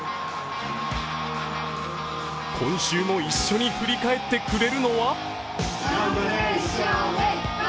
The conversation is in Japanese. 今週も一緒に振り返ってくれるのは？